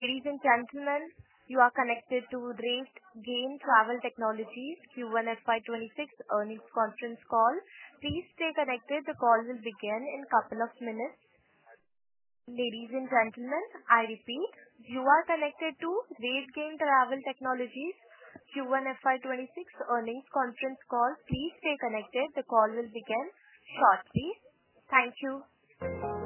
Ladies and gentlemen, you are connected to RateGain Travel Technologies' Q1 FY 2026 Earnings Conference Call. Please stay connected. The call will begin in a couple of minutes. Ladies and gentlemen, I repeat, you are connected to RateGain Travel Technologies' Q1 FY 2026 Earnings Conference Call. Please stay connected. The call will begin shortly. Thank you.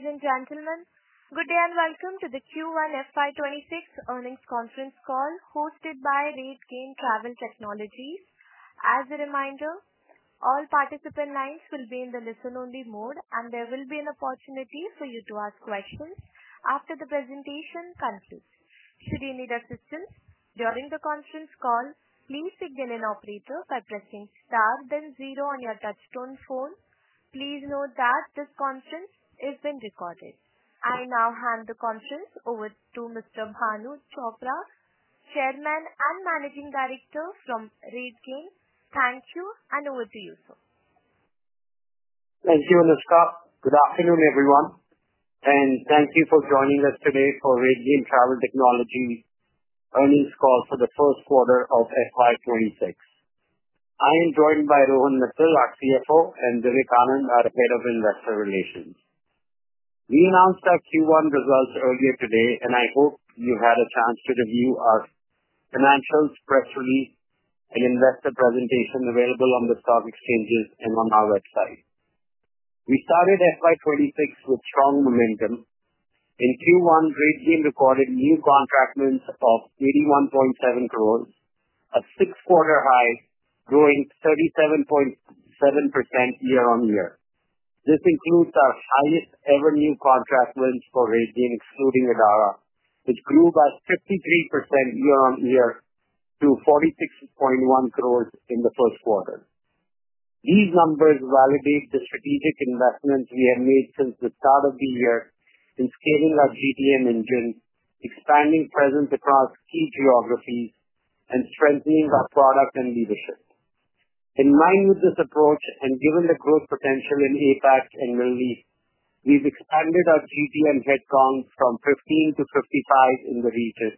Ladies and gentlemen, good day and welcome to the Q1 FY 2026 Earnings Conference Call hosted by RateGain Travel Technologies. As a reminder, all participant lines will be in the listen-only mode, and there will be an opportunity for you to ask questions after the presentation concludes. Should you need assistance during the conference call, please speak to an operator by pressing * then 0 on your touchtone phone. Please note that this conference is being recorded. I now hand the conference over to Mr. Bhanu Chopra, Chairman and Managing Director from RateGain. Thank you, and over to you, sir. Thank you, Mr. Chopra. Good afternoon, everyone, and thank you for joining us today for RateGain Travel Technologies' earnings call for the first quarter of FY 2026. I am joined by Rohan Mittal, our CFO, and Divik Anand, our Head of Investor Relations. We announced our Q1 results earlier today, and I hope you had a chance to review our financials, press release, and investor presentation available on the stock exchanges and on our website. We started FY 2026 with strong momentum. In Q1, RateGain recorded new contractments of 81.7 crore, a six-quarter high, growing 37.7% year-on-year. This includes our highest ever new contractments for RateGain, excluding Adara, which grew by 53% year-on-year to 46.1 crore in the first quarter. These numbers validate the strategic investments we have made since the start of the year in scaling our go-to-market (GTM) engine, expanding presence across key geographies, and strengthening our product and leadership. In line with this approach and given the growth potential in APAC and Middle East, we've expanded our GTM headcount from 15 to 55 in the region,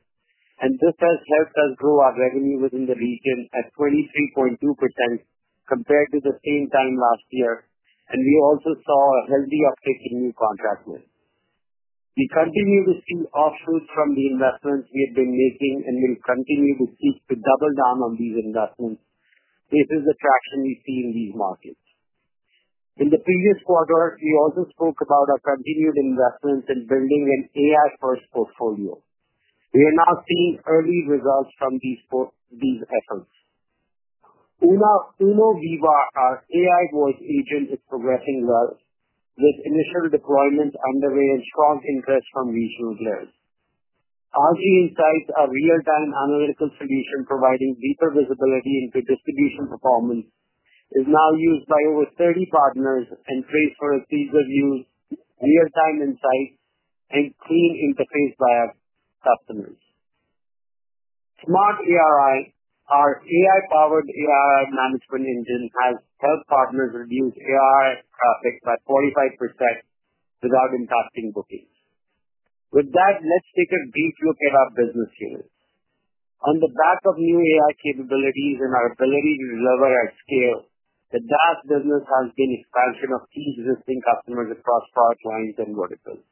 and this has helped us grow our revenue within the region at 22.2% compared to the same time last year. We also saw a healthy uptake in new contractments. We continue to see offshoots from the investments we've been making, and we'll continue to double down on these investments. This is the traction we see in these markets. In the previous quarter, we also spoke about our continued investments in building an AI-first portfolio. We are now seeing early results from these efforts. UNO VIVA, our AI voice agent, is progressing well, with initial deployments underway and strong interest from regional players. RG Insights, our real-time analytics solution providing deeper visibility into distribution performance, is now used by over 30 partners and praised for feasible use, real-time insights, and clean interface by our customers. Smart ARI, our AI-powered ARI management engine, has helped partners reduce ARI traffic by 45% surrounding casting bookings. With that, let's take a brief look at our business case. On the back of new AI capabilities and our ability to deliver at scale, the DAS business has seen expansion of key existing customers across product lines and verticals.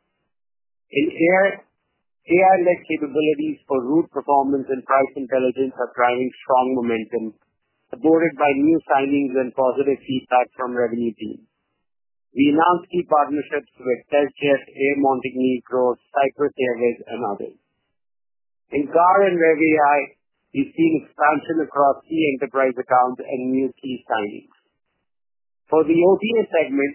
AI-led capabilities for route performance and price intelligence are driving strong momentum, supported by new signings and positive feedback from revenue teams. We announced key partnerships with TezJet, Air Montenegro, Cypress Airways, and others. In Car and Rev AI, we've seen expansion across key enterprise accounts and new key signings. For the OTA segment,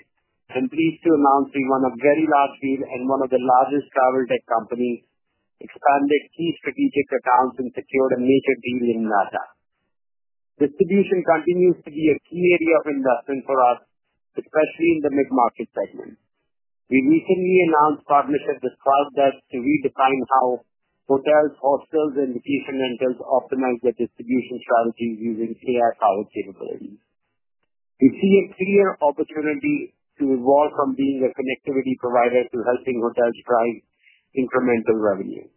I'm pleased to announce we won a very large deal and one of the largest travel tech companies, expanded key strategic accounts, and secured a major deal in LATAM. Distribution continues to be a key area of investment for us, especially in the mid-market segment. We recently announced partnerships with Cloudbeds to redefine how hotels, hostels, and vacation rentals optimize their distribution strategy using AI-powered capabilities. We see a clear opportunity to evolve from being a connectivity provider to helping hotels drive incremental revenue.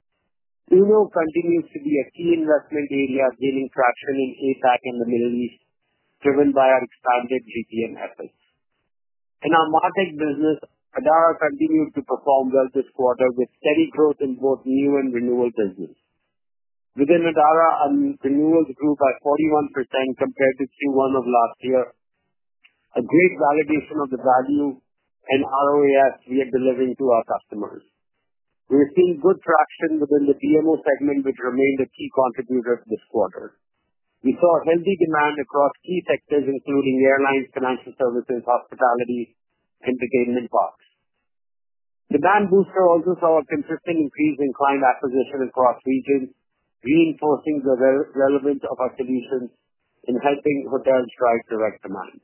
UNO continues to be a key investment area given traction in APAC and the Middle East, driven by our expanded GTM efforts. In our MarTech business, Adara continues to perform well this quarter with steady growth in both new and renewal business. Within Adara, our renewals grew by 41% compared to Q1 of last year, a great validation of the value and ROAS we are delivering to our customers. We're seeing good traction within the PMO segment, which remained a key contributor this quarter. We saw healthy demand across key sectors, including airlines, financial services, hospitality, and entertainment parks. Demand booster also saw a consistent increase in client acquisition across regions, reinforcing the relevance of our solutions in helping hotels drive direct demand.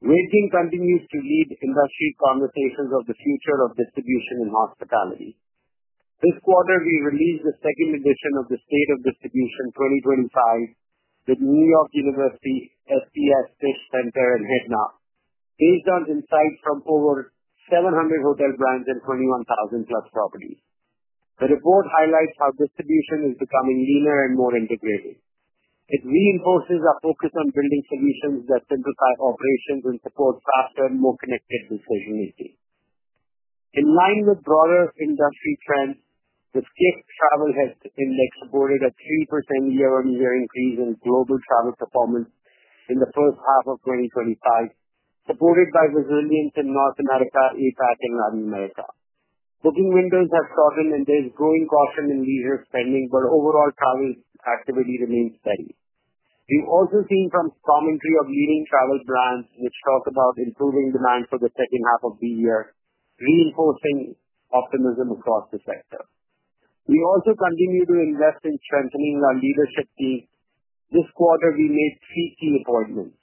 RateGain continues to lead industry conversations on the future of distribution and hospitality. This quarter, we released the second edition of the State of Distribution 2025 report with New York University, SPS, Tisch Center and HEDNA. It gives us insights from over 700 hotel brands and 21,000+ properties. The report highlights how distribution is becoming leaner and more integrated. It reinforces our focus on building solutions that simplify operations and support faster and more connected decision-making. In line with broader industry trends, the Skift Travel Health Index supported a 3% year-on-year increase in global travel performance in the first half of 2025, supported by Brazil and North America, APAC, and Latin America. Booking windows have softened and there's growing caution in leisure spending, but overall travel activity remains steady. We also see some commentary of leading travel brands, which talk about improving demand for the second half of the year, reinforcing optimism across the sector. We also continue to invest in strengthening our leadership team. This quarter, we raised three key appointments.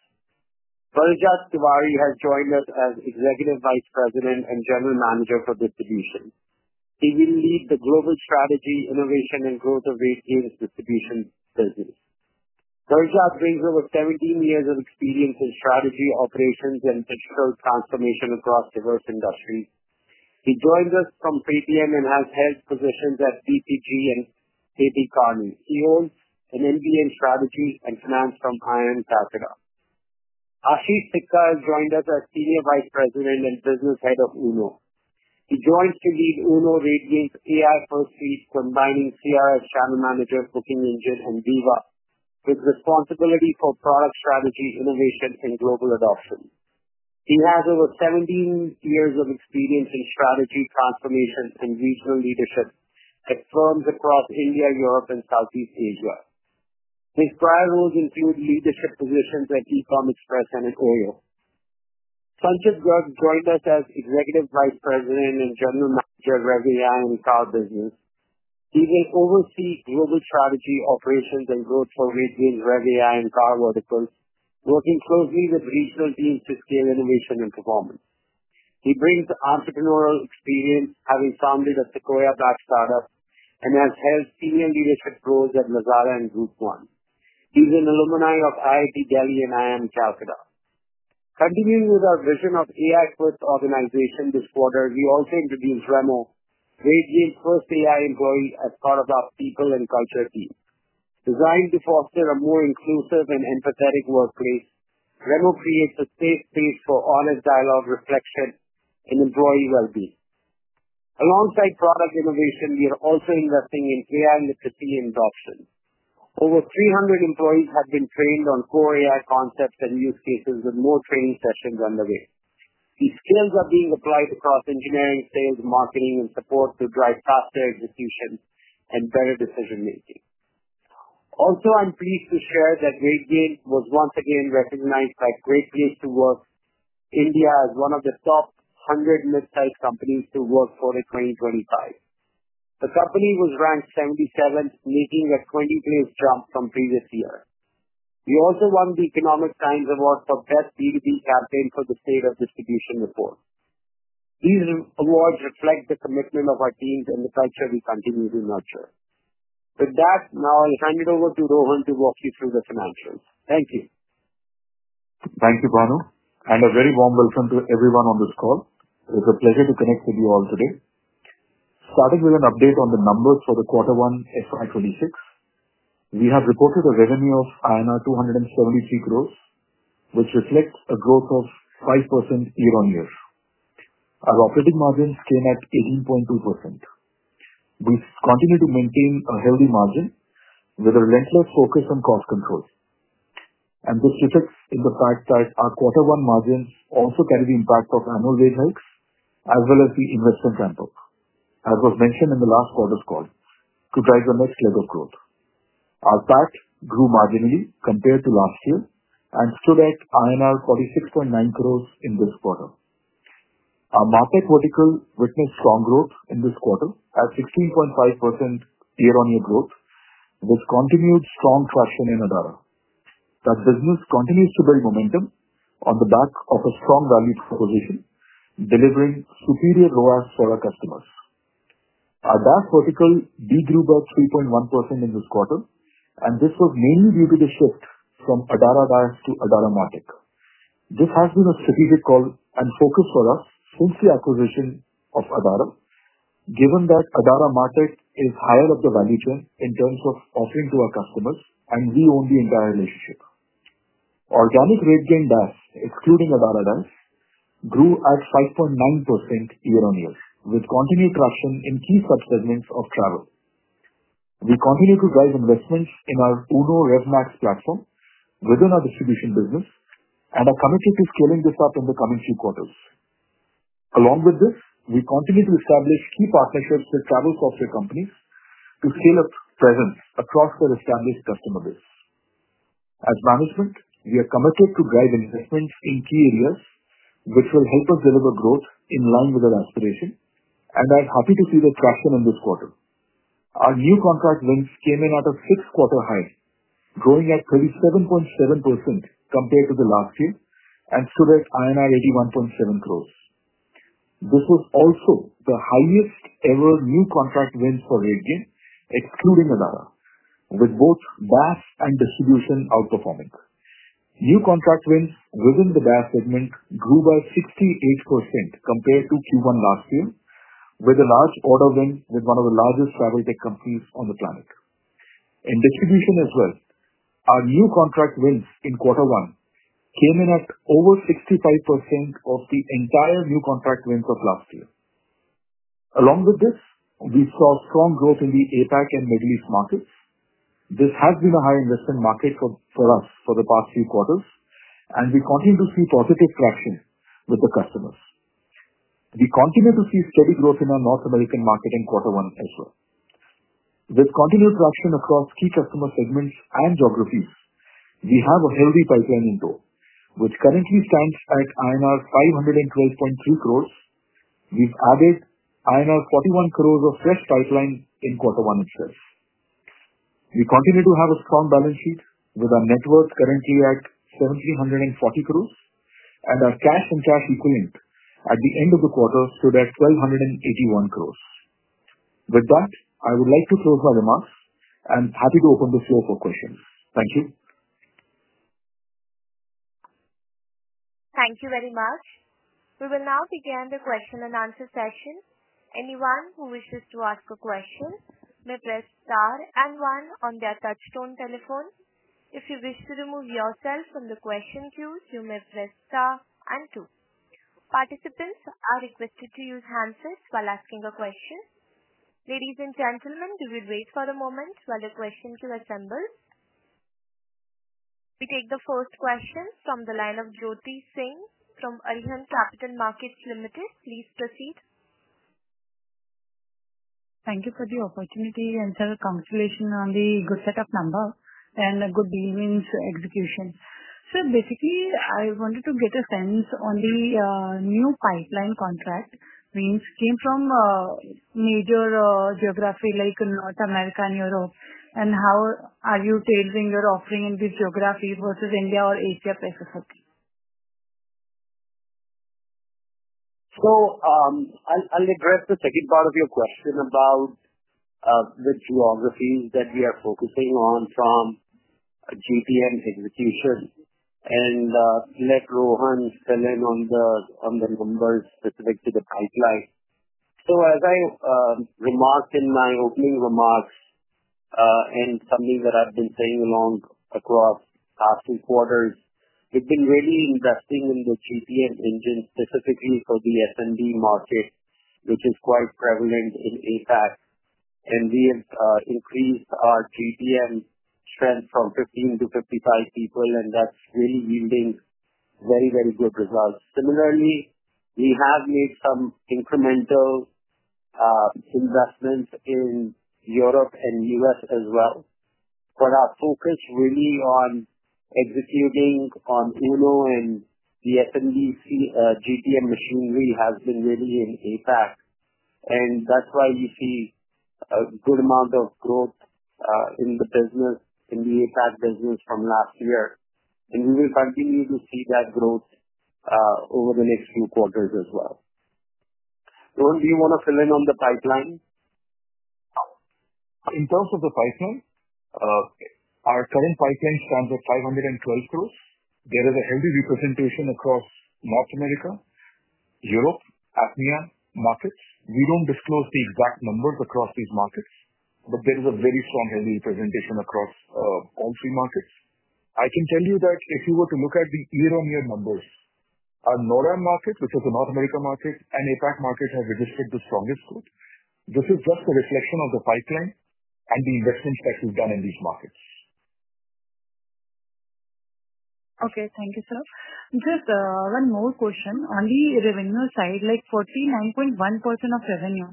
Parijat Tiwari has joined us as Executive Vice President and General Manager for Distribution. He will lead the global strategy, innovation, and growth of RateGain's distribution business. Parijat brings over 17 years of experience in strategy, operations, and digital transformation across diverse industries. He joined us from PayTm and has held positions at BCG and Kearney. He holds an MBA in strategy and finance from IIM Calcutta. Ashish Sikka has joined us as Senior Vice President and Business Head of UNO. He joins to lead UNO, RateGain's PR first phase, combining CRS Channel Manager, Booking Engine, and VIVA with responsibility for product strategies, innovation, and global adoption. He has over 17 years of experience in strategy, transformation, and regional leadership at firms across India, Europe, and Southeast Asia. His prior roles include leadership positions at e-com Express and OYO. Sanchit Garg has also joined us as Executive Vice President and General Manager of Rev-AI and Car Business. He oversees global strategy, operations, and growth for RateGain's Rev-AI and Car verticals, working closely with regional teams to scale innovation and performance. He brings the entrepreneurial experience, having founded a Sequoia-backed startup and has held senior leadership roles at Lazada and Group One. He's an alumnus of IIT Delhi and IIM Calcutta. Continuing with our vision of AI-first organization, this quarter, we also introduced REMO, RateGain's first AI employee, as part of our People and Culture team. Designed to foster a more inclusive and empathetic workplace, REMO creates a safe space for honest dialogue, reflection, and employee well-being. Alongside product innovation, we are also investing in AI literacy and adoption. Over 300 employees have been trained on core AI concepts and use cases, with more training sessions underway. These skills are being applied across engineering, sales, marketing, and support to drive faster execution and better decision-making. Also, I'm pleased to share that RateGain was once again recognized by Great Place to Work in India as one of the top 100 companies to work for in 2025. The company was ranked 77th, making a 23-place drop from previous years. We also won the Economic Times Award for Best DVD Campaign for the State of Distribution 2025 report. These awards reflect the commitment of our teams and the culture we continue to nurture. With that, now I'll hand it over to Rohan to walk you through the financials. Thank you. Thank you, Bhanu, and a very warm welcome to everyone on this call. It's a pleasure to connect with you all today. Starting with an update on the numbers for the quarter one, FY 2026, we have reported a revenue of INR 273 crore, which reflects a growth of 5% year-on-year. Our operating margins came at 18.2%. We continue to maintain a healthy margin with a relentless focus on cost control. This reflects in the fact that our quarter one margins also carry the impact of annual rate hikes, as well as the investment ramp-up, as was mentioned in the last quarter's call, to drive the next leg of growth. Our PAT grew marginally compared to last year and stood at INR 46.9 crore in this quarter. Our Market vertical witnessed strong growth in this quarter at 16.5% year-on-year growth, with continued strong traction in Adara. That business continues to build momentum on the back of a strong value proposition, delivering superior ROAS for our customers. Our DaaS vertical degrew 3.1% in this quarter, and this was mainly due to the shift from Adara DaaS to Adara Market. This has been a strategic call and focus for us since the acquisition of Adara, given that Adara Market is higher up the value chain in terms of offering to our customers, and we own the entire relationship. Organic RateGain DaaS, including Adara DaaS, grew at 5.9% year-on-year, with continued traction in key subsegments of travel. We continue to drive investments in our UNO RevMax platform within our Distribution business and are committed to scaling this up in the coming few quarters. Along with this, we continue to establish key partnerships with travel software companies to scale up presence across our established customer base. As management, we are committed to drive investments in key areas which will help us deliver growth in line with our aspirations, and I'm happy to see the traction in this quarter. Our new contract wins came in at a six-quarter high, growing at 37.7% compared to the last year and stood at INR 81.7 crore. This was also the highest ever new contract wins for RateGain, excluding Adara, with both DaaS and Distribution outperforming. New contract wins within the DaaS segment grew by 68% compared to Q1 last year, with a large order win with one of the largest travel tech companies on the planet. In Distribution as well, our new contract wins in quarter one came in at over 65% of the entire new contract wins of last year. Along with this, we saw strong growth in the APAC and Middle East markets. This has been a high investment market for us for the past few quarters, and we continue to see positive traction with the customers. We continue to see steady growth in our North American market in quarter one as well. With continued traction across key customer segments and geographies, we have a healthy pipeline in tow, which currently stands at INR 512.3 crore. We've added INR 41 crore of fresh pipeline in quarter one itself. We continue to have a strong balance sheet with our net worth currently at 1,740 crore, and our cash and cash equivalents at the end of the quarter stood at 1,281 crore. With that, I would like to close my remarks. I'm happy to open the floor for questions. Thank you. Thank you very much. We will now begin the question and answer session. Anyone who wishes to ask a question may press star and one on their touchtone telephone. If you wish to remove yourself from the question queue, you may press star and two. Participants are requested to use handsets while asking a question. Ladies and gentlemen, we will wait for a moment while the questions are assembled. We take the first question from the line of Jyoti Singh from Arihant Capital Markets Limited. Please proceed. Thank you for the opportunity and the consolation on the good setup number and a good deal wins execution. I wanted to get a sense on the new pipeline contract. We came from a major geography like North America and Europe, and how are you tailoring your offering in these geographies versus India or Asia specifically? I'll address the second part of your question about which geographies we are focusing on from a GTM execution, and let Rohan fill in on the numbers specific to the pipeline. As I remarked in my opening remarks, and something that I've been saying across the past three quarters, we've been really investing in the GTM engine specifically for the SMB market, which is quite prevalent in APAC. We have increased our GTM strength from 15 to 55 people, and that's really yielding very, very good results. Similarly, we have made some incremental investments in Europe and the U.S. as well. Our focus really on executing on UNO and the SMB GTM machinery has been in APAC, and that's why we see a good amount of growth in the business, in the APAC business from last year. We will continue to see that growth over the next few quarters as well. Rohan, do you want to fill in on the pipeline? In terms of the pipeline, our current pipeline stands at 512 crore. There is a healthy representation across North America, Europe, and ASEAN markets. We don't disclose the exact numbers across these markets, but there is a very strong healthy representation across all three markets. I can tell you that if you were to look at the year-on-year numbers, our Northern market, which is the North American market, and APAC markets have registered the strongest growth. This is just a reflection of the pipeline and the investments that we've done in these markets. Okay. Thank you, sir. Just one more question. On the revenue side, like 49.1% of revenue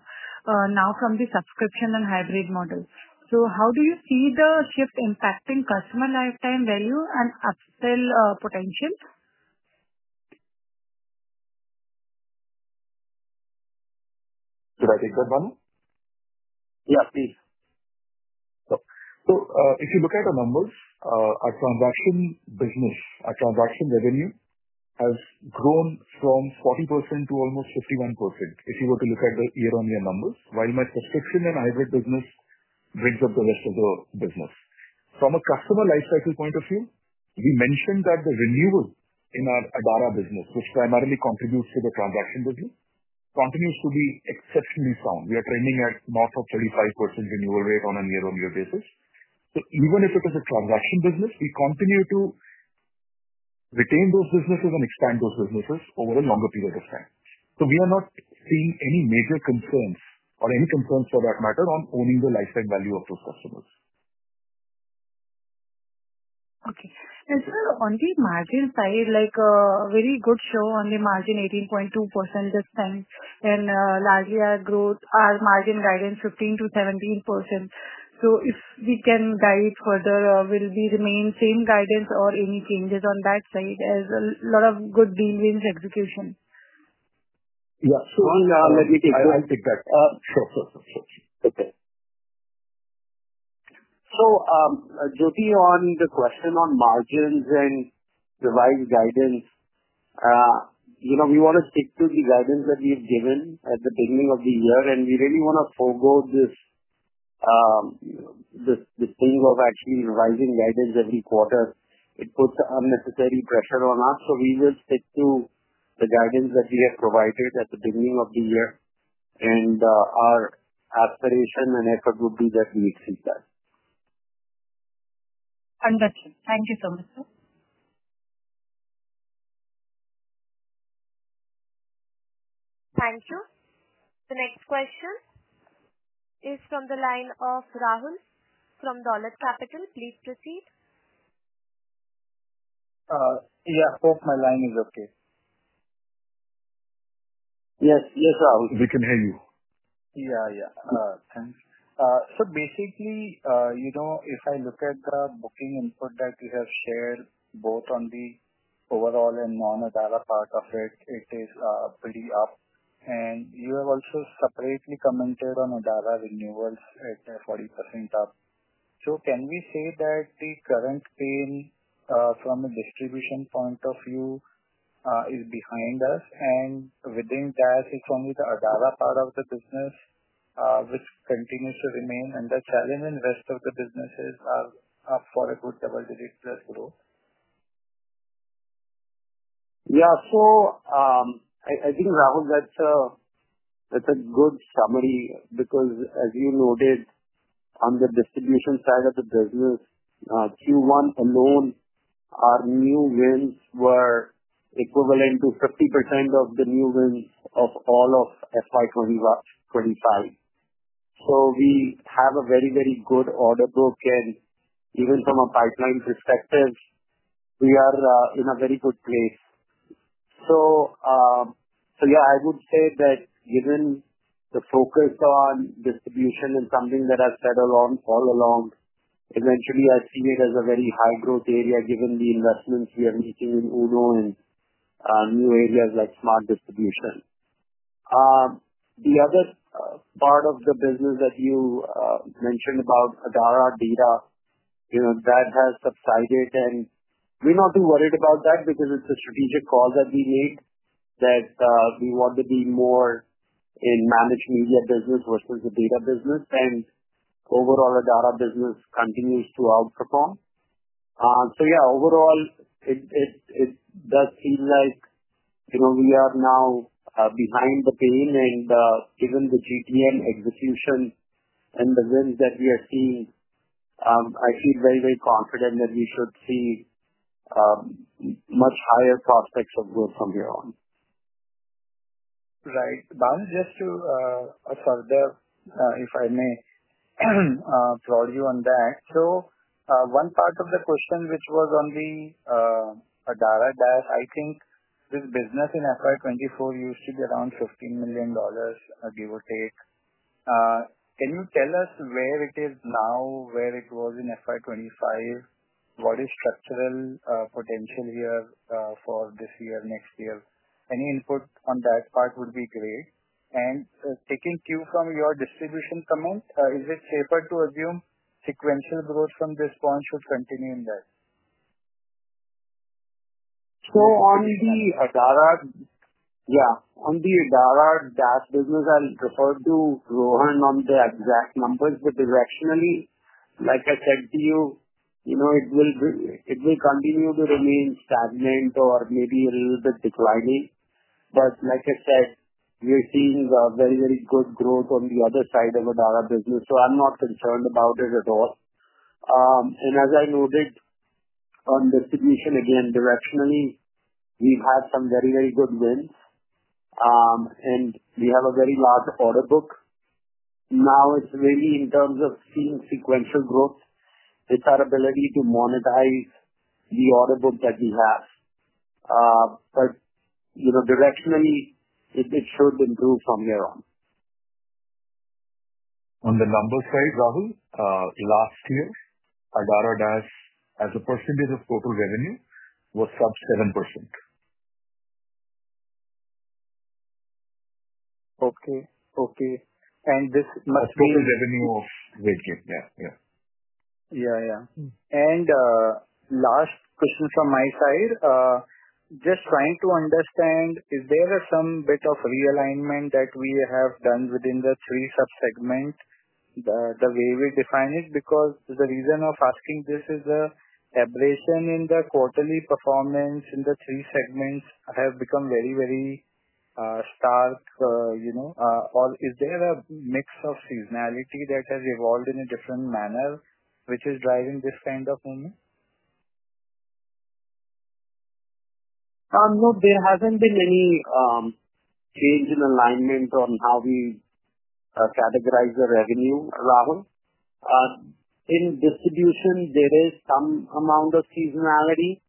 now from the subscription and hybrid model. How do you see the shift impacting customer lifetime value and upsell potential? Can I take that, Bhanu? Yes, please. If you look at the numbers, our transaction business, our transaction revenue has grown from 40% to almost 51% if you were to look at the year-on-year number, while my subscription and hybrid business brings up the rest of the business. From a customer lifecycle point of view, we mentioned that the renewal in our Adara business, which primarily contributes to the transaction business, continues to be exceptionally strong. We are trending at north of 35% renewal rate on a year-on-year basis. Even if it is a transaction business, we continue to retain those businesses and expand those businesses over a longer period of time. We are not seeing any major concerns or any concerns for that matter on owning the lifetime value of those customers. Okay. Sir, on the margin side, a very good show on the margin, 18.2% this time, and largely our growth, our margin guidance, 15%-17%. If we can dive further, will we remain the same guidance or any changes on that side as a lot of good deal wins execution? Yeah. On the margins, I can take that. Okay. Jyoti, on the question on margins and revised guidance, you know we want to stick to the guidance that we've given at the beginning of the year, and we really want to forego this thing of actually revising guidance every quarter. It puts unnecessary pressure on us. We will stick to the guidance that we have provided at the beginning of the year, and our aspiration and effort will be that we exceed that. Understood. Thank you so much, sir. Thank you. The next question is from the line of Rahul from Dolat Capital. Please proceed. Yeah, I hope my line is okay. Yes, yes, Rahul. We can hear you. Yeah, yeah. Thanks. Basically, if I look at the booking input that you have shared both on the overall and non-Adara part of it, it is pretty up. You have also separately commented on Adara renewals. It's 40% up. Can we say that the current pain from a distribution point of view is behind us? Within that, it's only the Adara part of the business which continues to remain, and the challenge in the rest of the businesses are up for a good double-digit plus growth. Yeah, I think, Rahul, that's a good summary because, as you noted, on the distribution side of the business, Q1 alone, our new wins were equivalent to 50% of the new wins of all of FY 2025. We have a very, very good order book, and even from a pipeline perspective, we are in a very good place. Yeah, I would say that given the focus on distribution and something that I've said all along, eventually, I see it as a very high-growth area given the investments we are making in UNO and new areas like smart distribution. The other part of the business that you mentioned about Adara Data, you know, that has subsided, and we're not too worried about that because it's a strategic call that we made that we want to be more in managing the business versus the data business. Overall, Adara business continues to outperform. Yeah, overall, it does seem like we are now behind the pain. Given the GTM execution and the wins that we are seeing, I feel very, very confident that we should see much higher prospects of growth from here on. Right. Bhanu, just to further, if I may, draw you on that. One part of the question, which was on the Adara, I think this business in FY 2024 used to be around $15 million, give or take. Can you tell us where it is now, where it was in FY 2025? What is structural potential here for this year, next year? Any input on that part would be great. Taking cue from your distribution comment, is it safer to assume sequential growth from this point to continue in that? On the Adara, yeah, on the Adara DaaS business, I'll defer to Rohan on the exact numbers, but directionally, like I said to you, it will continue to remain stagnant or maybe a little bit declining. Like I said, we're seeing a very, very good growth on the other side of Adara business, so I'm not concerned about it at all. As I noted on the distribution, again, directionally, we've had some very, very good wins, and we have a very large order book. Now, it's really in terms of seeing sequential growth. It's our ability to monetize the order book that we have, but you know directionally, it should improve from here on. On the numbers side, Rahul, last year, Adara DaaS as a percentage of total revenue was sub 7%. Okay. Okay. This must be. Total revenue of RateGain, yeah. Yeah. Last question from my side, just trying to understand, is there some bit of realignment that we have done within the three subsegments, the way we define it? The reason of asking this is the aberration in the quarterly performance in the three segments has become very, very stark. You know, or is there a mix of seasonality that has evolved in a different manner, which is driving this kind of movement? No, there hasn't been any change in alignment on how we categorize the revenue, Rahul. In distribution, there is some amount of seasonality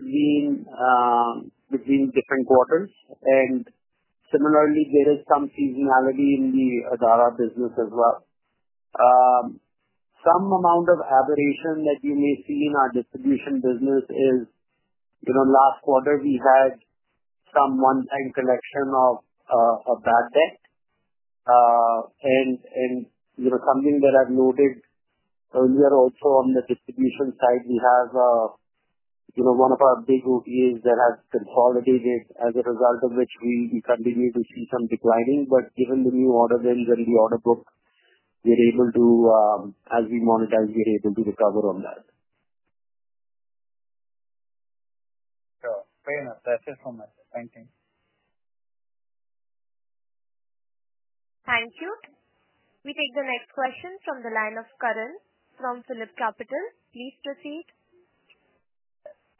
between different quarters. Similarly, there is some seasonality in the Adara business as well. Some amount of aberration that you may see in our distribution business is, last quarter, we had some one-time collection of a bad debt. You know, something that I've noted earlier also on the distribution side, we have one of our big OTAs that has consolidated, as a result of which we continue to see some declining. Given the new order range and the order book, we're able to, as we monetize, we're able to recover on that. Sure. Fair enough. That's it from us. Thank you. Thank you. We take the next question from the line of Karan from Phillip Capital. Please proceed.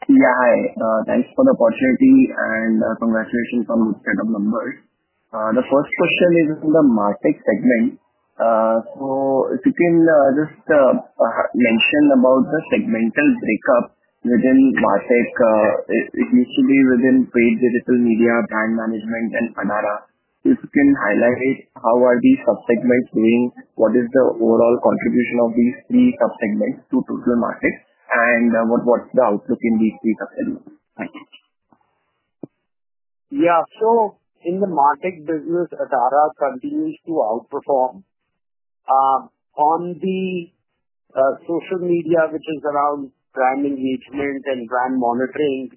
Yeah. Hi. Thanks for the opportunity and congratulations on the setup numbers. The first question is in the market segment. If you can, just mention about the segmental breakup within MarTech. It needs to be within paid digital media, brand management, and Adara. If you can highlight how are these subsegments doing, what is the overall contribution of these three subsegments to total markets, and what's the outlook in these three subsegments? Thanks. Yeah. In the market business, Adara continues to outperform. On the social media, which is around brand engagement and brand monitoring,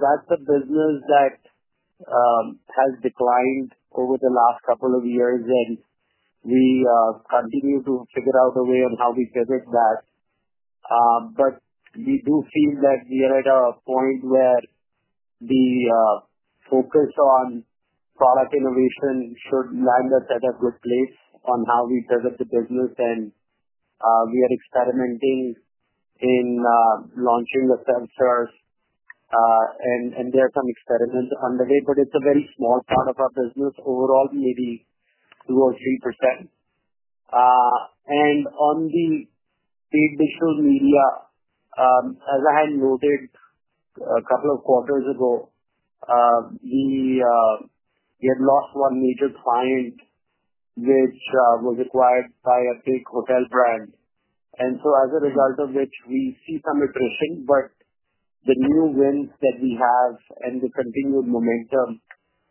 that's a business that has declined over the last couple of years, and we continue to figure out a way on how we pivot that. We do feel that we are at a point where the focus on product innovation should land us at a good place on how we pivot the business. We are experimenting in launching the self-serve, and there are some experiments underway, but it's a very small part of our business. Overall, we are at 82% or 83%. On the paid digital media, as I had noted a couple of quarters ago, we had lost one major client, which was acquired by a big hotel brand. As a result of which, we see some intrusion, but the new wins that we have and the continued momentum,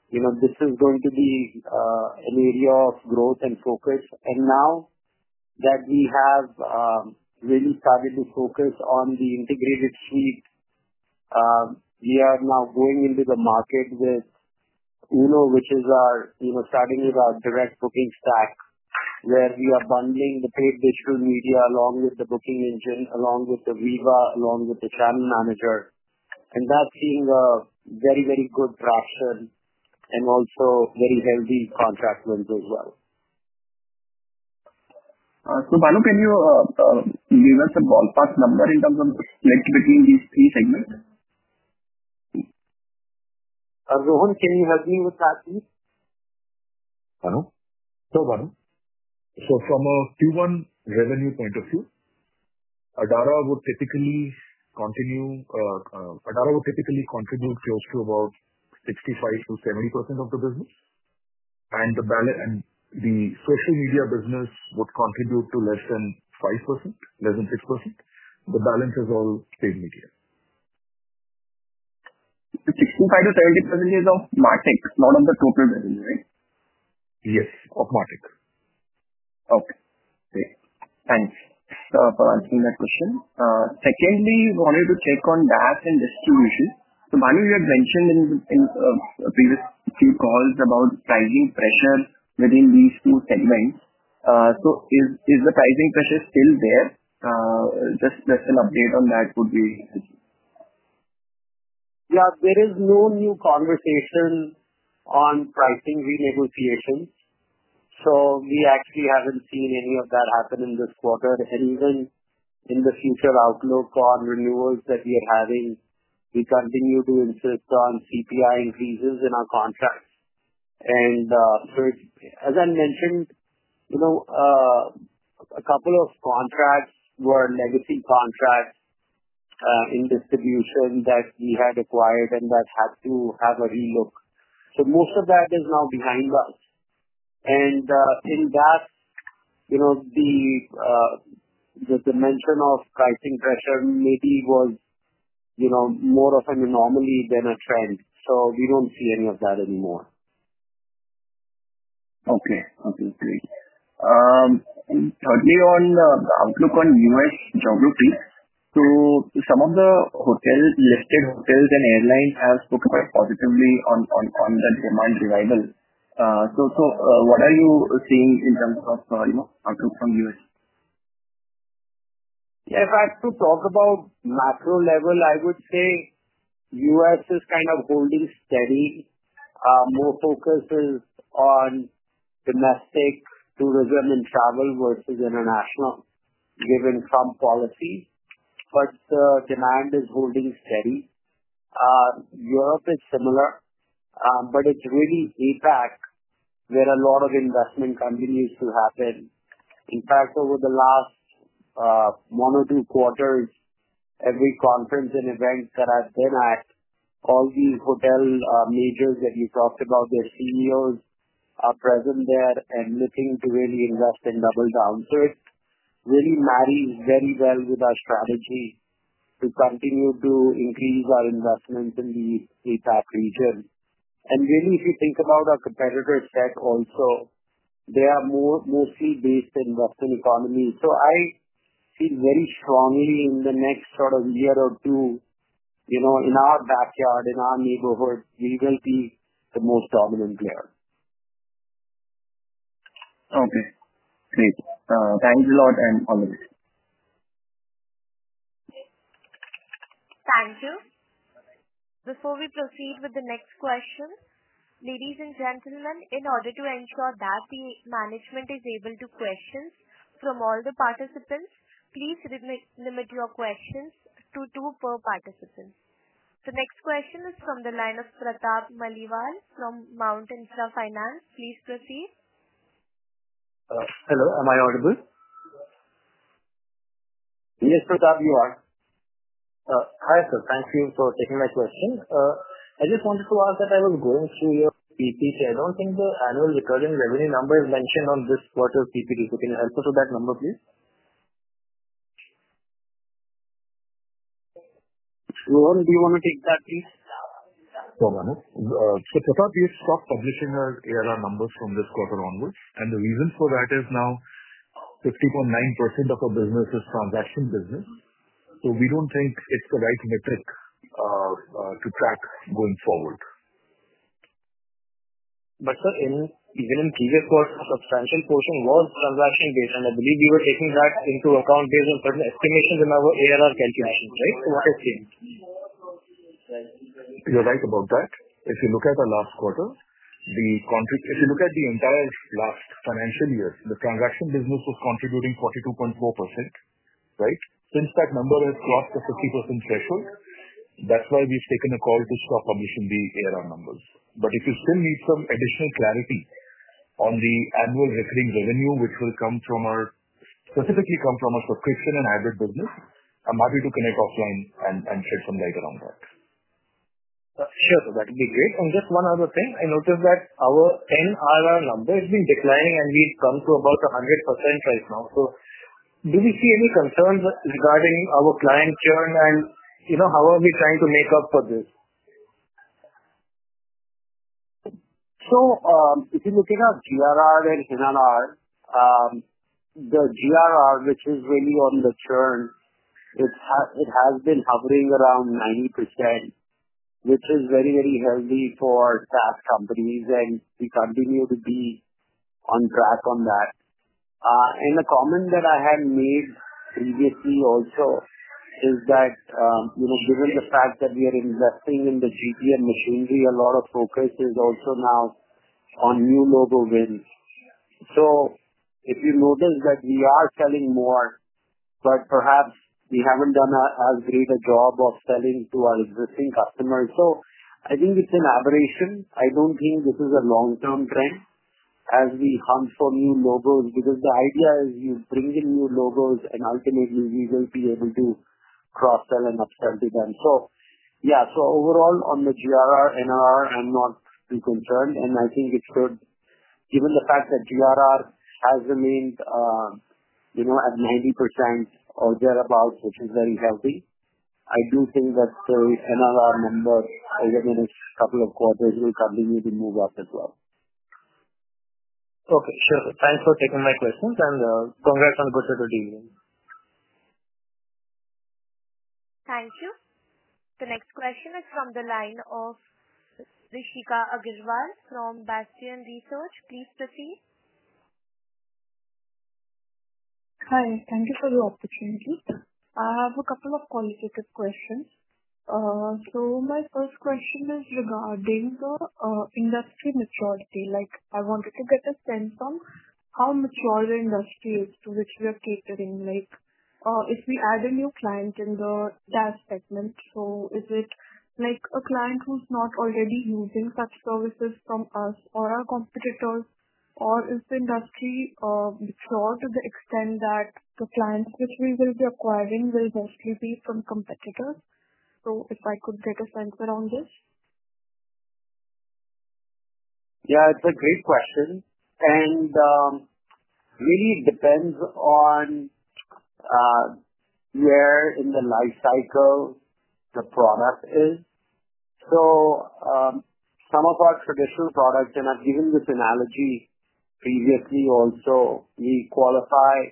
you know, this is going to be an area of growth and focus. Now that we have really started to focus on the integrated suite, we are now going into the market with UNO, which is our, you know, starting with our direct booking stack, where we are bundling the paid digital media along with the booking engine, along with the VIVA, along with the channel manager. That's seeing a very, very good traction and also very healthy contract wins as well. Bhanu, can you give us a ballpark number in terms of the strength between these three segments? Rohan, can you help me with that, please? Bhanu, from a Q1 revenue point of view, Adara would typically contribute close to about 65%-70% of the business. The ball and the social media business would contribute to less than 5%, less than 6%. The balance is all paid media. 60%-70% is of MarTech. It's not of the total revenue, right? Yes, of MarTech. Okay. Great. Thanks for asking that question. Secondly, I wanted to take on DaaS and distribution. Bhanu, you had mentioned in the previous few calls about pricing pressure within these two segments. Is the pricing pressure still there? Just an update on that would be helpful. Yeah. There is no new conversation on pricing renegotiations. We actually haven't seen any of that happen in this quarter. Even in the future outlook on renewals that we are having, we continue to insist on CPI increases in our contracts. As I mentioned, a couple of contracts were legacy contracts in distribution that we had acquired and that have to have a relook. Most of that is now behind us. The mention of pricing pressure maybe was more of an anomaly than a trend. We don't see any of that anymore. Okay. Great. Do you want the outlook on U.S. geography, please? Some of the listed hotels and airlines have spoken positively on the demand driven. What are you seeing in terms of outlook from U.S.? Yeah. If I have to talk about macro level, I would say the U.S. is kind of holding steady. More focus is on domestic tourism and travel versus international given some policy. The demand is holding steady. Europe is similar, but it's really APAC where a lot of investment continues to happen. In fact, over the last one or two quarters, every conference and event that I've been at, all the hotel majors that you talked about, their CEOs are present there and looking to really invest and double down. It really marries in well with our strategy to continue to increase our investment in the APAC region. If you think about our competitors, they are mostly based in the Western economy. I see very strongly in the next year or two, in our backyard, in our neighborhood, we will be the most dominant player. Okay. Great. Thanks a lot, and all the best. Thank you. Before we proceed with the next question, ladies and gentlemen, in order to ensure that the management is able to take questions from all the participants, please limit your questions to two per participant. The next question is from the line of Pratap Maliwal from Mount Intra Finance. Please proceed. Hello. Am I audible? Yes, Pratap, you are. Hi, sir. Thank you for taking my question. I just wanted to ask that I was going through your PPT. I don't think the annual recurring revenue number is mentioned on this quarter's PPT. Could you help us with that number, please? Rohan, do you want to take that, please? Bhanu, the have stopped publishing our ARR numbers from this quarter onwards. The reason for that is now 50.9% of our business is transaction business. We don't think it's the right metric to track going forward. Sir, even in previous quarters, a substantial portion was transaction-based, and I believe we were taking that into account based on certain estimations in our ARR calculations, right? What has changed? You're right about that. If you look at the last quarter, if you look at the entire last financial year, the transaction business was contributing 42.4%. Since that number has crossed the 50% threshold, that's why we've taken a call to start publishing the ARR numbers. If you still need some additional clarity on the annual recurring revenue, which will come specifically from our subscription and hybrid business, I'm happy to connect offline and shed some light around that. Sure. That would be great. Just one other thing. I noticed that our NRR number has been declining, and we've come to about 100% right now. Do we see any concerns regarding our client churn, and you know how are we trying to make up for this? If you're looking at GRR and NRR, the GRR, which is really on the churn, has been hovering around 90%, which is very, very healthy for SaaS companies, and we continue to be on track on that. The comment that I had made previously also is that, you know, given the fact that we are investing in the GTM engine, a lot of focus is also now on new mobile wins. If you notice that we are selling more, but perhaps we haven't done as great a job of selling to our existing customers. I think it's an aberration. I don't think this is a long-term trend as we hunt for new logos because the idea is you bring in new logos, and ultimately, we will be able to cross-sell and upsell to them. Overall, on the GRR, NRR, I'm not too concerned, and I think it's good. Given the fact that GRR has remained, you know, at 90% or thereabouts, which is very healthy, I do think that the NRR number over the next couple of quarters will probably maybe move up as well. Okay. Sure. Thanks for taking my questions, and congrats on the productivity. Thank you. The next question is from the line of Rishika Agarwal from Bastion Research. Please proceed. Hi. Thank you for the opportunity. I have a couple of qualitative questions. My first question is regarding the industry maturity. I wanted to get a sense on how mature the industry is to which we are catering. If we add a new client in the DaaS segment, is it a client who's not already using such services from us or our competitors? Or is the industry mature to the extent that the clients which we will be acquiring will mostly be from competitors? If I could get a sense around this? Yeah. It's a great question. It really depends on where in the lifecycle the product is. Some of our traditional products, and I've given this analogy previously also, we qualify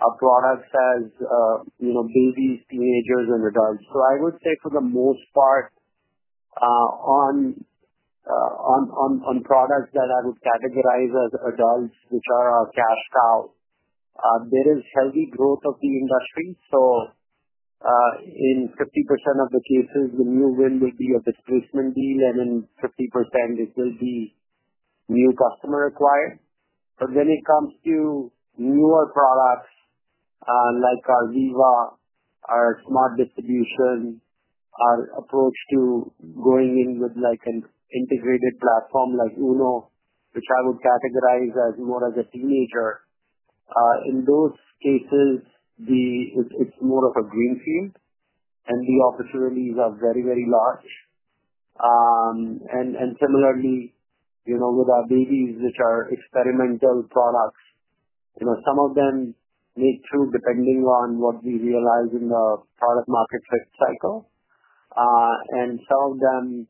our products as, you know, babies, teenagers, and adults. I would say for the most part, on products that I would categorize as adults, which are our DaaS style, there is healthy growth of the industry. In 50% of the cases, the new win will be a disbursement deal, and in 50%, it will be new customer acquired. When it comes to newer products, like our VIVA, our smart distribution, our approach to going in with an integrated platform like UNO, which I would categorize as more of a teenager, in those cases, it's more of a greenfield, and the opportunities are very, very large. Similarly, with our babies, which are experimental products, some of them make through depending on what we realize in the product market cycle, and some of them,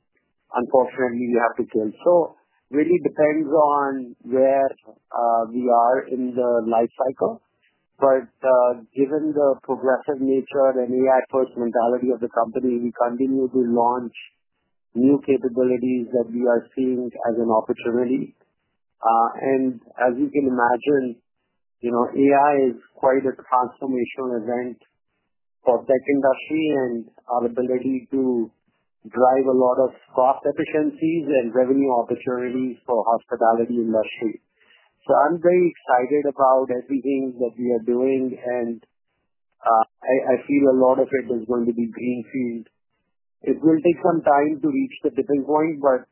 unfortunately, you have to kill. It really depends on where we are in the lifecycle. Given the progressive nature and AI-first mentality of the company, we continue to launch new capabilities that we are seeing as an opportunity. As you can imagine, AI is quite a transformational event for tech industry and our ability to drive a lot of cost efficiencies and revenue opportunities for hospitality industry. I'm very excited about everything that we are doing, and I feel a lot of it is going to be greenfield. It will take some time to reach a typical point, but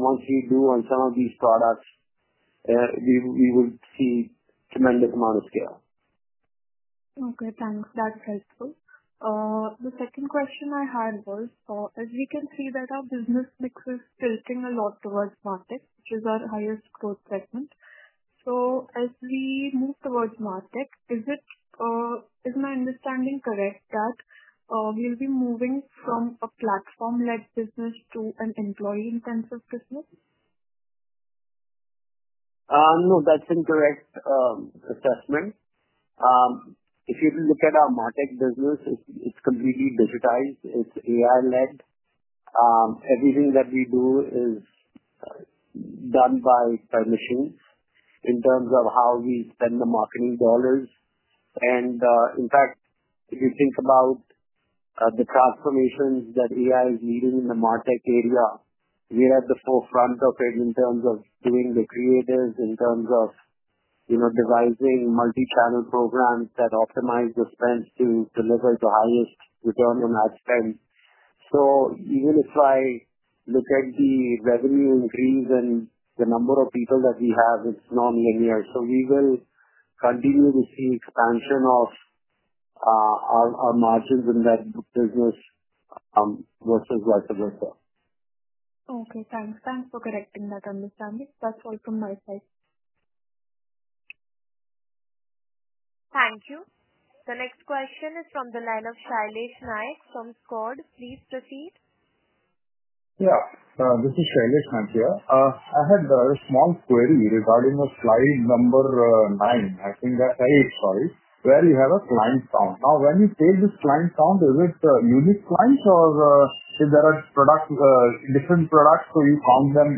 once you do on some of these products, you will see a tremendous amount of scale. Okay, thanks. That's helpful. The second question I had was, as we can see that our business mix is tilting a lot towards market, which is our highest growth segment. As we move towards market, is it, is my understanding correct that we'll be moving from a platform-led business to an employee-intensive business? No, that's an incorrect assessment. If you look at our market business, it's completely digitized. It's AI-led. Everything that we do is done by permissions in terms of how we spend the marketing dollars. In fact, if you think about the transformations that AI is leading in the market area, we are at the forefront of it in terms of doing the creative, in terms of devising multi-channel programs that optimize the spend to deliver the highest return on our spend. Even if I look at the revenue increase and the number of people that we have, it's nonlinear. We will continue to see expansion of our margins in that business, versus what the growth was. Okay. Thanks. Thanks for correcting that understanding. That's all from my side. Thank you. The next question is from the line of Shailesh Naik from S Code. Please proceed. Yeah. This is Shailesh Naik here. I had a response query regarding the client number nine. I think that is, sorry. Where you have a client sound. Now, when you say this client sound, is it a unique client or is there a product, different products where you count them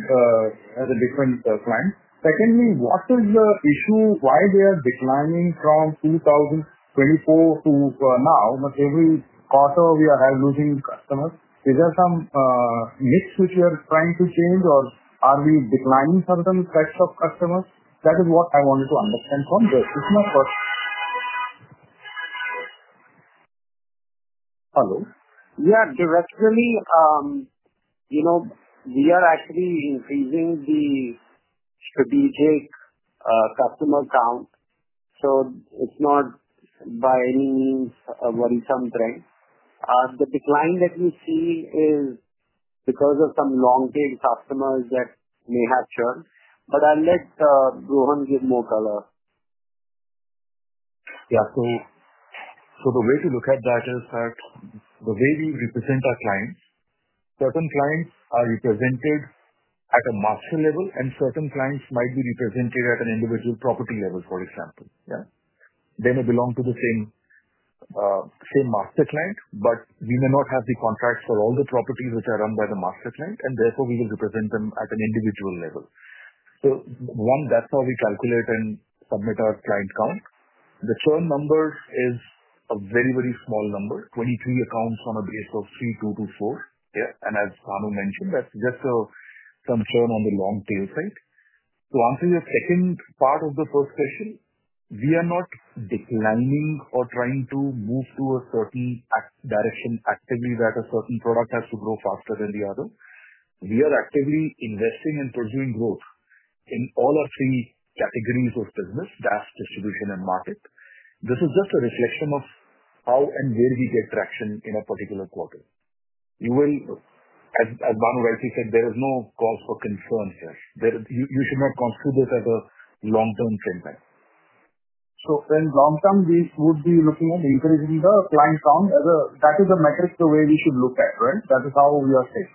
as a different client? Secondly, what is the issue? Why are they declining from 2024 to now? Every quarter, we are having customers. Is there some niche which we are trying to change, or are we declining certain sets of customers? That is what I wanted to understand from the customer question. Hello. Yeah. Directionally, you know, we are actually increasing the strategic customer count. It's not by any means a worrisome trend. The decline that we see is because of some long-tail customers that may have churn. I'll let Rohan give more color. Yeah. The way to look at that is that the way we represent our clients, certain clients are represented at a master level, and certain clients might be represented at an individual property level, for example. They may belong to the same master client, but we may not have the contracts for all the properties which are run by the master client, and therefore, we will represent them at an individual level. That's how we calculate and submit our client count. The churn number is a very, very small number, 23 accounts on a base of 3,22 4. As Rohan mentioned, that's just some churn on the long-tail side. To answer your second part of the first question, we are not declining or trying to move to a certain direction actively that a certain product has to grow faster than the other. We are actively investing and pursuing growth in all of these categories of business, DaaS, distribution, and market. This is just a reflection of how and where we get traction in a particular quarter. You will, as Rohan rightly said, there is no cause for concern there. You should not construe this as a long-term thing there. Long-term, we would be looking at increasing the client count. That is the metric the way we should look at, right? That is how we are saying.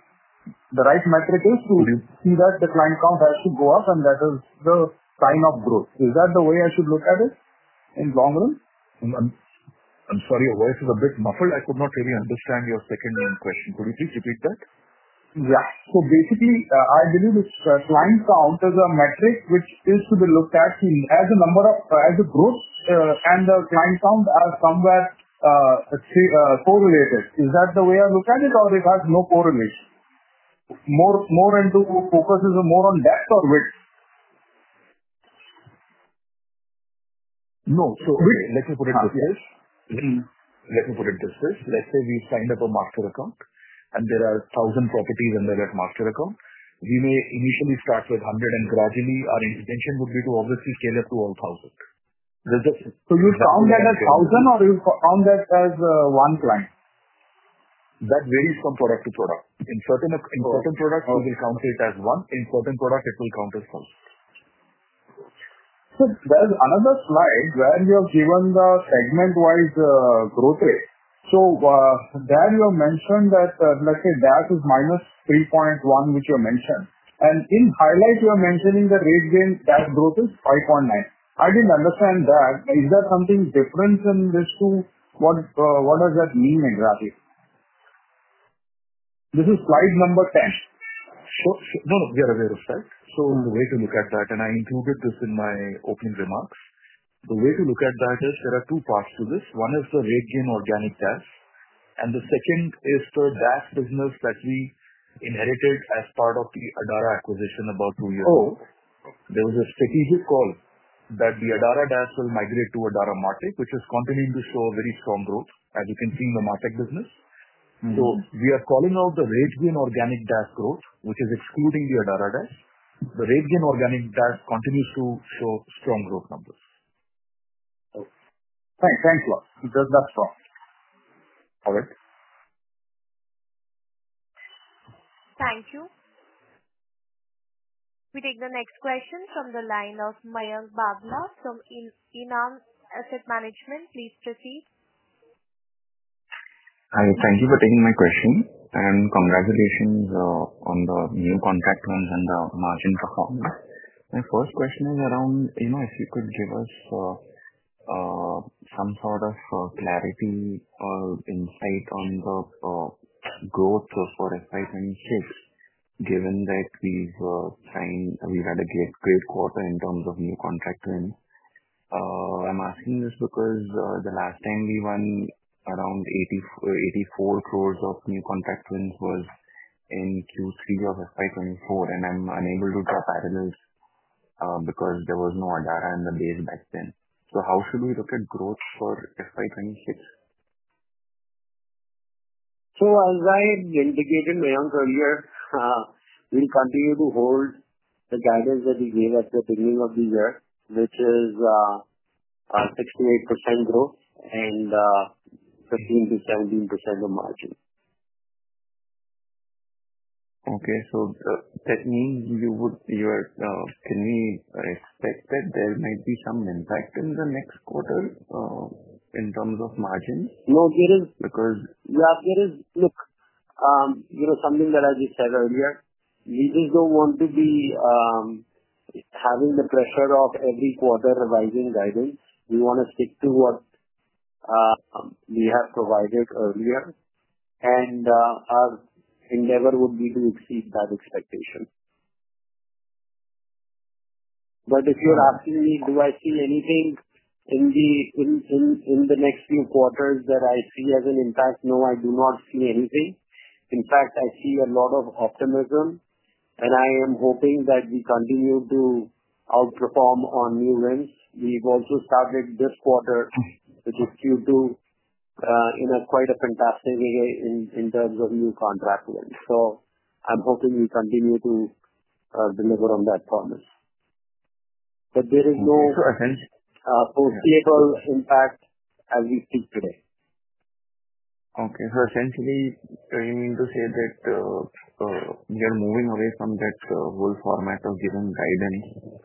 The right metric is to see that the client count has to go up, and that is the kind of growth. Is that the way I should look at it in the long run? I'm sorry. Your voice is a bit muffled. I could not really understand your second question. Could you please repeat that? Yeah. Basically, I believe the client count is a metric which is to be looked at as a number of, as a growth, and the client count as somewhat correlated. Is that the way I look at it, or it has no correlation? More focus is more on depth or width? Let me put it this way. Let's say we signed up a master account, and there are 1,000 properties in that master account. We may initially start with 100, and gradually, our intention would be to obviously scale up to 1,000. Do you count that as 1,000, or do you count that as one client? That varies from product to product. In certain products, we will count it as one. In certain products, it will count as 1,000. There's another slide where you have given the segment-wise growth rate. There you have mentioned that, let's say, that is minus 3.1%, which you have mentioned. In highlight, you are mentioning that RateGain's DAS growth is 5.9%. I didn't understand that. Is that something different than this too? What does that mean exactly? This is slide number 10. You're aware of that. The way to look at that, and I included this in my opening remarks, is there are two parts to this. One is the RateGain organic DaaS, and the second is the DaaS business that we inherited as part of the Adara acquisition about two years ago. There was a strategic call that the Adara DaaS will migrate to Adara Market, which is continuing to show very strong growth, as you can see in the market business. We are calling out the RateGain organic DaaS growth, which is excluding the Adara DaaS. The RateGain organic DaaS continues to show strong growth numbers. Thanks a lot. Good luck, sir. All right. Thank you. We take the next question from the line of Mayank Babla from Enam Asset Management. Please proceed. Hi. Thank you for taking my question, and congratulations on the new contract forms and the margin for comment. My first question is around, you know, if you could give us some sort of clarity or insight on the growth for the five-time shift, given that we've signed, we've had a great quarter in terms of new contract wins. I'm asking this because the last time we won around 84 crore of new contract wins was in Q3 of FY 2024, and I'm unable to compare this because there was no Adara in the days back then. How should we look at growth for FY 2026? As I indicated earlier, we'll continue to hold the targets that we gave at the beginning of the year, which is a 68% growth and 15%-17% of margin. Okay. That means you would, can we expect that there might be some impact in the next quarter in terms of margin? There is, because yeah, there is. Look, you know, something that I just said earlier, we just don't want to be having the pressure of every quarter revising guidance. We want to stick to what we have provided earlier, and our endeavor would be to exceed that expectation. If you're asking me, do I see anything in the next two quarters that I see as an impact? No, I do not see anything. In fact, I see a lot of optimism, and I am hoping that we continue to outperform on new wins. We've also started this quarter, which is Q2, in quite a fantastic way in terms of new contract wins. I'm hoping we continue to deliver on that promise. There is no foreseeable impact as we speak today. Okay. Essentially, you mean to say that we are moving away from that whole format of giving guidance,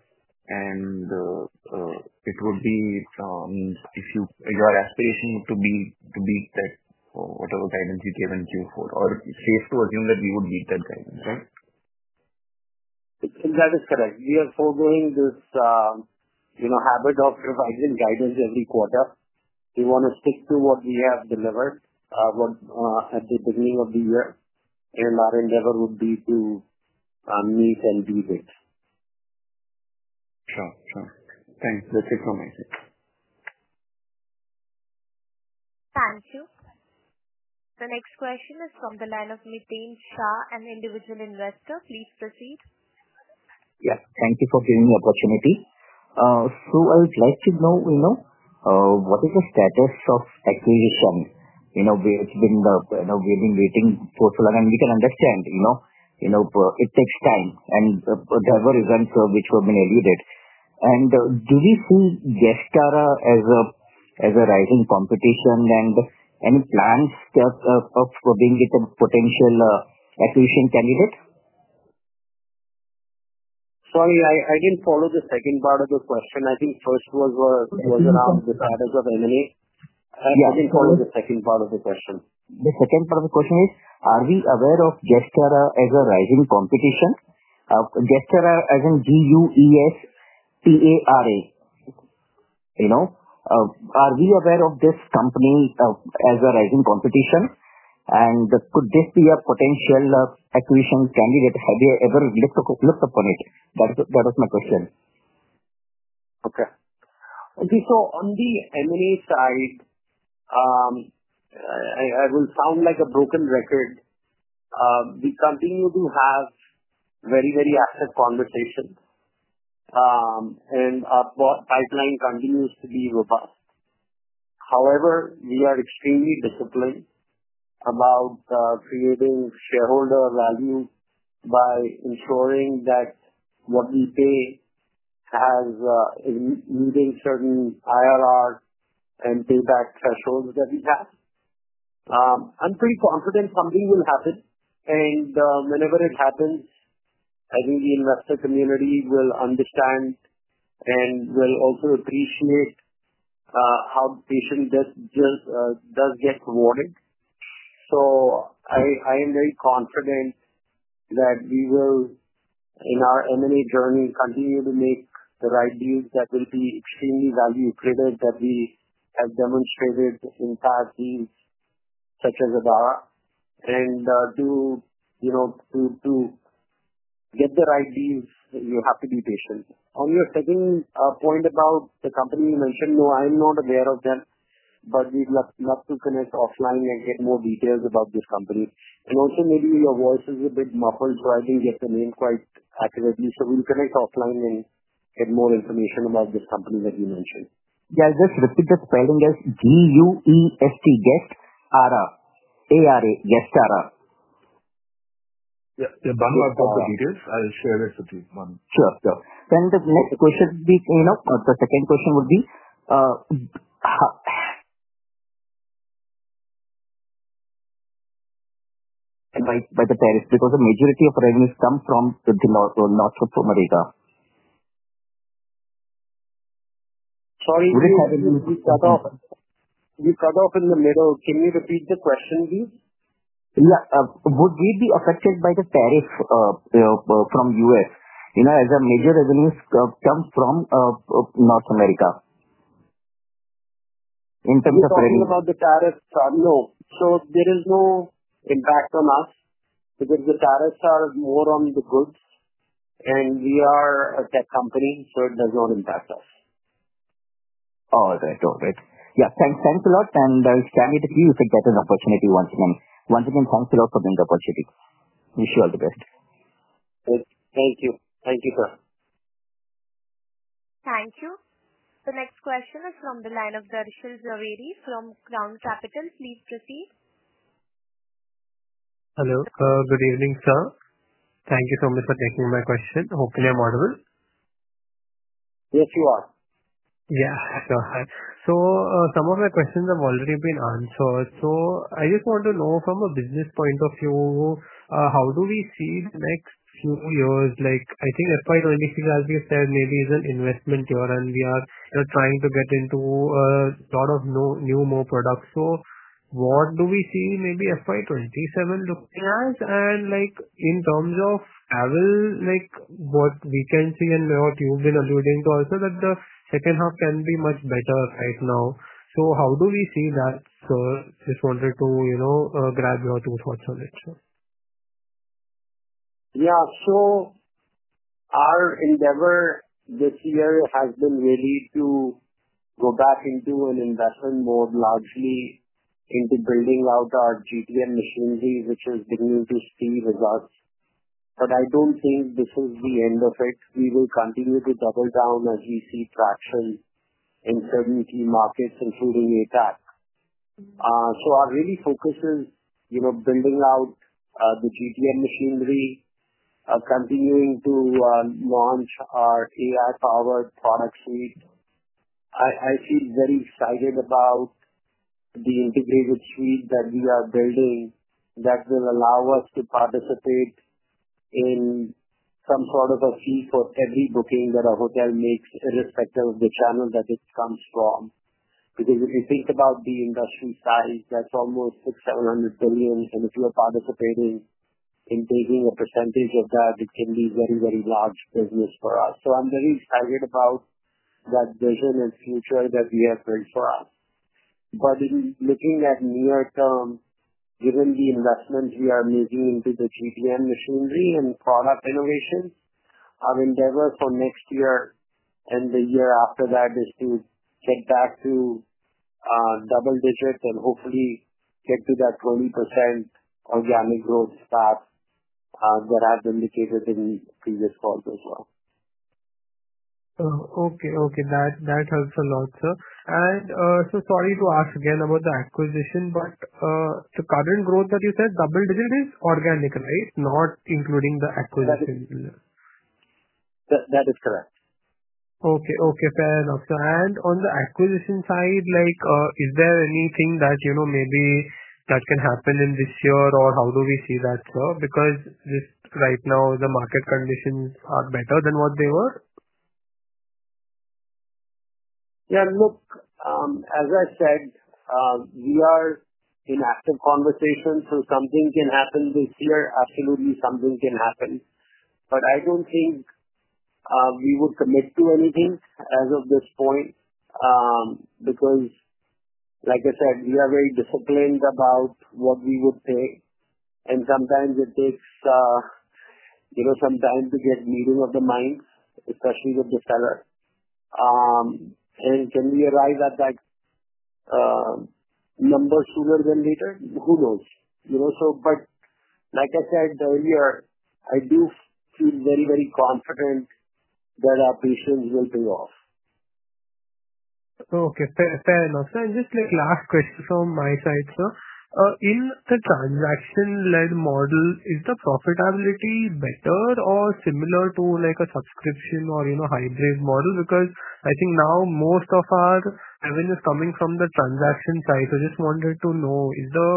and it would be if your aspiration would be to beat that whatever guidance you've given Q4? Or it's safe to assume that we would beat that guidance, right? I think that is correct. We are foregoing this habit of revising guidance every quarter. We want to stick to what we have delivered at the beginning of the year, and our endeavor would be to meet and beat. Sure. Thanks. We'll take our message. Thank you. The next question is from the line of Miten Shah, an individual investor. Please proceed. Yes. Thank you for giving me the opportunity. I would like to know, you know, what is the status of acquisition? We have been rating social, and we can understand it takes time, and there were events which were been eluded. Do we see Guestara as a rising competition, and any plans there of being a potential acquisition candidate? Sorry, I didn't follow the second part of the question. I think the first was around the status of M&A. I didn't follow the second part of the question. The second part of the question is, are we aware of Guestara as a rising competition? Guestara as in G-U-E-S-T-A-R-A. Are we aware of this company as a rising competition? Could this be a potential acquisition candidate? Have you ever looked upon it? That was my question. On the M&A side, I will sound like a broken record. We continue to have very, very active conversations, and our pipeline continues to be robust. However, we are extremely disciplined about creating shareholder value by ensuring that what we pay has meeting certain IRR and payback thresholds that we have. I'm pretty confident something will happen. Whenever it happens, I think the investor community will understand and will also appreciate how patient this just does get rewarded. I am very confident that we will, in our M&A journey, continue to make the right deals that will be extremely value-driven that we have demonstrated in past deals such as Adara. To get the right deals, you have to be patient. On your second point about the company you mentioned, no, I'm not aware of them, but we'd love to connect offline and get more details about this company. Also, maybe your voice is a bit muffled driving your domain quite actively. We'll connect offline and get more information about this company that you mentioned. Yeah. Just repeat the spelling as G-U-E-S-T-Guestara, A-R-A, Guestara. Yeah, Bhanu, I've got a detail. I'll share this with you. Sure. The next question would be, you know, by the tariffs, because a majority of revenues come from North America. Sorry. We cut off in the middle. Can you repeat the question, please? Yeah. Would we be affected by the tariff from the U.S.? You know, as a major revenue comes from North America in terms of revenue. I think about the tariffs, no. There is no impact on us because the tariffs are more on the goods, and we are a tech company, so it does not impact us. All right. All right. Yeah. Thanks a lot. And share me the key if you get an opportunity once again. Once again, thanks a lot for being the opportunity. You should all the best. Thank you. Thank you, sir. Thank you. The next question is from the line of Darshil Jhaveri from Sapphire Capital. Please proceed. Hello. Good evening, sir. Thank you so much for taking my question. Hopefully, I'm audible. Yes, you are. Yeah, some of my questions have already been answered. I just want to know from a business point of view, how do we see the next few years? I think FY 2026, as we said, maybe is an investment year and we are trying to get into a lot of new, new more products. What do we see maybe FY 2027 looking at? In terms of travel, what we can see and what you've been alluding to also, that the second half can be much better right now. How do we see that? I just wanted to grab your two thoughts on it. Yeah. Our endeavor this year has been really to go back into an investment mode, largely integrating out our go-to-market (GTM) machinery, which has been to see results. I don't think this is the end of it. We will continue to double down as we see traction in certain key markets, including APAC. Our focus is building out the GTM machinery, continuing to launch our AI-powered product suite. I feel very excited about the integrated suite that we are building that will allow us to participate in some sort of a fee for every booking that a hotel makes irrespective of the channel that it comes from. If you think about the industry size, that's almost $700 billion. If you are participating in taking a percentage of that, it can be a very, very large business for us. I'm very excited about that vision and future that we have built for us. Looking at near-term, given the investments we are making into the GTM machinery and product innovation, our endeavor for next year and the year after that is to get back to double digits and hopefully get to that 20% organic growth stock that I've indicated in the previous calls as well. Okay. That helps a lot, sir. Sorry to ask again about the acquisition, but the current growth that you said, double digit, is organic, right? Not including the acquisition? That is correct. Okay. Fair enough, sir. On the acquisition side, is there anything that, you know, maybe that can happen in this year, or how do we see that, sir? Because just right now, the market conditions are better than what they were. Yeah. Look, as I said, we are in active conversation. Something can happen this year. Absolutely, something can happen. I don't think we would commit to anything as of this point, because, like I said, we are very disciplined about what we would pay. Sometimes it takes some time to get reading of the minds, especially with the seller. Can we arrive at that number sooner than later? Who knows? Like I said earlier, I do feel very, very confident that our patience will pay off. Okay. Fair enough, sir. Just like last question from my side, sir. In the transaction-led model, is the profitability better or similar to like a subscription or, you know, hybrid model? I think now most of our revenue is coming from the transaction side. I just wanted to know, is the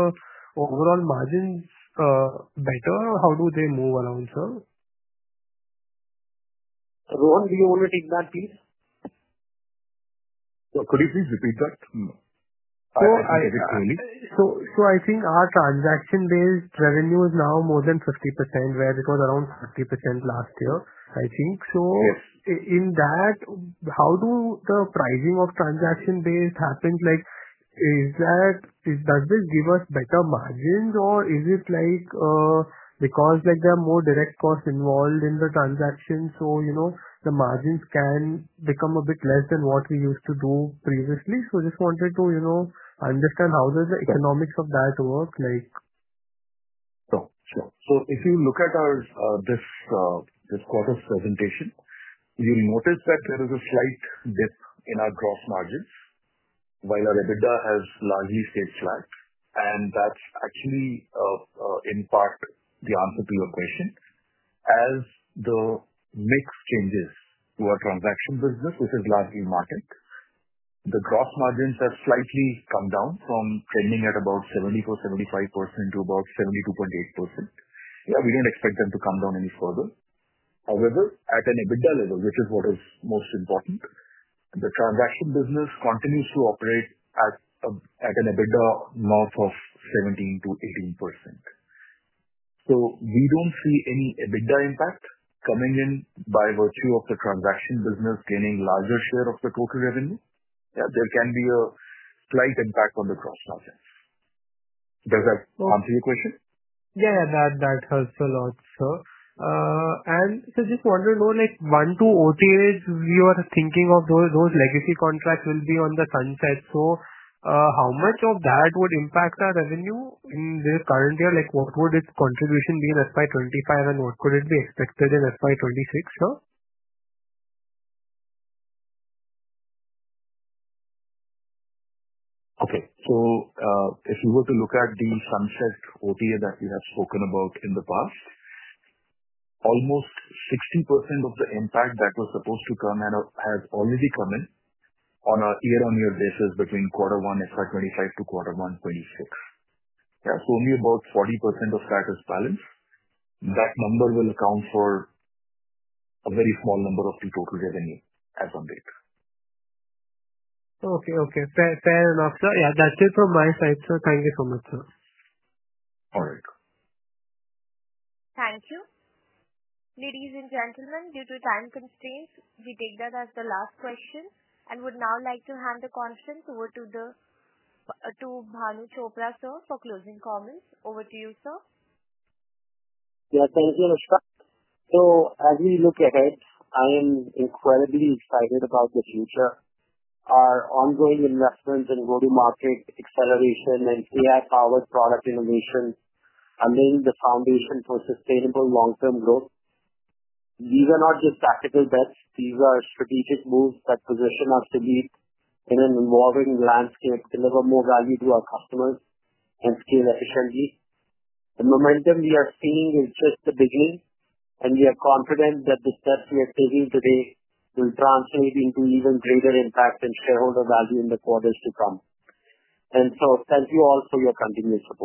overall margins better? How do they move around, sir? Rohan, do you want to take that piece? Could you please repeat that? I think our transaction-based revenue is now more than 50%, where it was around 30% last year, I think. In that, how do the pricing of transaction-based happen? Does this give us better margins, or is it like, because there are more direct costs involved in the transaction, the margins can become a bit less than what we used to do previously? I just wanted to understand how does the economics of that work. If you look at our, this quarter's presentation, you'll notice that there is a slight dip in our gross margins while our EBITDA has largely stayed flat. That's actually, in part, the answer to your question. As the mix changes to our transaction business, which is largely market, the gross margins have slightly come down from standing at about 74%-75% to about 72.8%. We didn't expect them to come down any further. However, at an EBITDA level, which is what is most important, the transaction business continues to operate at an EBITDA amount of 17%-18%. We don't see any EBITDA impact coming in by virtue of the transaction business gaining a larger share of the total revenue. There can be a slight impact on the gross margins. Does that answer your question? Yeah. Yeah. That helps a lot, sir. I just want to know, like, one two OTAs, we are thinking of those legacy contracts will be on the sunset. How much of that would impact our revenue in this current year? What would its contribution be in FY 2025 and what could it be expected in FY 2026? Okay. If you were to look at the sunset OTA that we have spoken about in the past, almost 60% of the impact that was supposed to come out has already come in on a year-on-year basis between quarter one FY 2025 to quarter one 2026. Only about 40% of that is balanced. That number will account for a very small number of the total revenue as of date. Okay. Okay. Fair enough, sir. Yeah, that's it from my side, sir. Thank you so much, sir. All right. Thank you. Ladies and gentlemen, due to time constraints, we take that as the last question and would now like to hand the question over to Bhanu Chopra, sir, for closing comments. Over to you, sir. Thank you, Ashi. As we look ahead, I am incredibly excited about the future. Our ongoing investments in go-to-market acceleration and AI-powered product innovation are laying the foundation for sustainable long-term growth. These are not just tactical bets. These are strategic moves that position us to lead in an evolving landscape to deliver more value to our customers and scale efficiencies. The momentum we are seeing is just the beginning, and we are confident that the steps we are taking today will translate into even greater impacts and shareholder value in the quarters to come. Thank you all for your continued support.